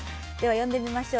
呼んでみましょう。